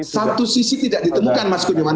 satu sisi tidak ditemukan mas kuningan